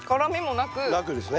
なくですね。